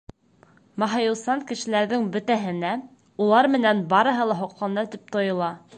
Маһайыусан кешеләрҙең бөтәһенә улар менән барыһы ла һоҡлана тип тойола.